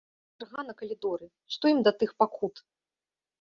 Чарга на калідоры, што ім да тых пакут!